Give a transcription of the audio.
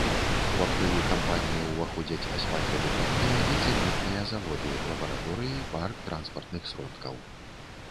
У актывы кампаніі ўваходзяць асфальтабетонныя і цэментныя заводы, лабараторыі, парк транспартных сродкаў.